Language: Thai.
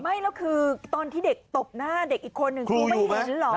ไม่แล้วคือตอนที่เด็กตบหน้าเด็กอีกคนนึงครูไม่เห็นเหรอ